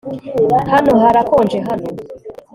Hano harakonje hano